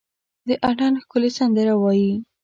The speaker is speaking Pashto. د اټن ښکلي سندره وايي،